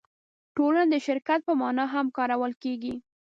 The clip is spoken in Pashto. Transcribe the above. ټولنه د شرکت په مانا هم کارول کېږي.